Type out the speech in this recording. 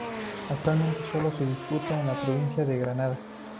Actualmente sólo se disputa en la provincia de Granada.